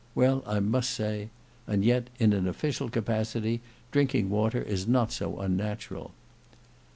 well, I must say—and yet, in an official capacity, drinking water is not so unnatural."